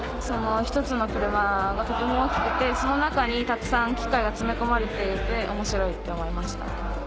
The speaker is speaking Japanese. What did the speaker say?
１つの車がとても大きくてその中にたくさん機械が詰め込まれていて面白いって思いました。